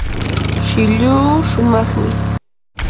shilluu shumaqmi.